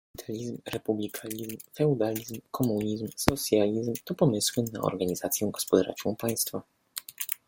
Kapitalizm, republikanizm, feudalizm, komunizm, socjalizm to pomysły na organizację gospodarczą państwa.